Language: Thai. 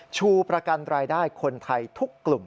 ชูประกันรายได้คนไทยทุกกลุ่ม